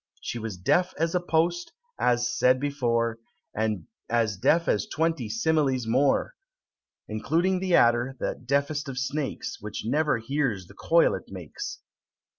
She was deaf as a post, as said before And as deaf as twenty similes more, Including the adder, that deafest of snakes, Which never hears the coil it makes.